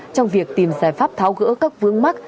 trong việc tìm giải pháp tháo gỡ các vương mắc